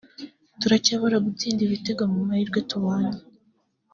turacyabura gutsinda ibitego mu mahirwe tubonye